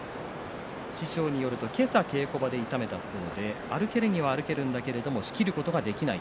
師匠によると今朝稽古場で痛めたそうで歩けるには歩けるんだけれども仕切ることができない。